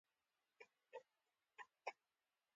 فرانک زفا وایي ذهن باید خلاص شي بیا کار کوي.